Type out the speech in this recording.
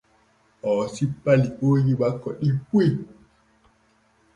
Oo sippa liooji makko ɗim puy.